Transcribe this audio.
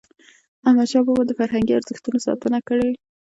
احمدشاه بابا د فرهنګي ارزښتونو ساتنه کړی.